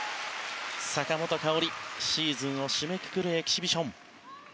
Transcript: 坂本花織、シーズンを締めくくるエキシビション。